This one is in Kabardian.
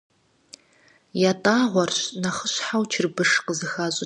ЯтӀагъуэрщ нэхъыщхьэу чырбыш къызыхащӀыкӀыр.